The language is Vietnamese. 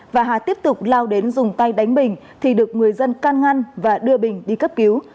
và hà tiếp tục lao đến dùng tay đánh bình thì được người dân can ngăn và đưa bình đi cấp cứu